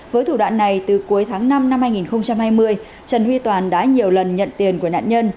với thủ đoạn này từ cuối tháng năm năm hai nghìn hai mươi trần huy toàn đã nhiều lần nhận tiền của nạn nhân